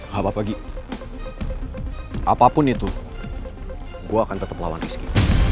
gapapa gi apapun itu gue akan tetep lawan rizky